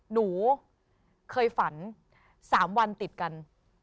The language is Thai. หนูเคยฝัน๓วันติดกัน